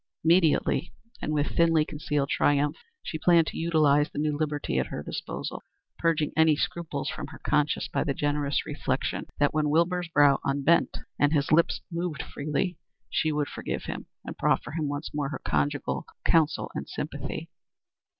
Immediately, and with thinly concealed triumph, she planned to utilize the new liberty at her disposal, purging any scruples from her conscience by the generous reflection that when Wilbur's brow unbent and his lips moved freely she would forgive him and proffer him once more her conjugal counsel and sympathy.